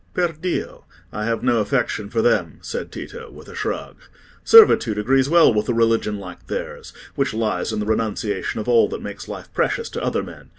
"Perdio, I have no affection for them," said Tito, with a shrug; "servitude agrees well with a religion like theirs, which lies in the renunciation of all that makes life precious to other men.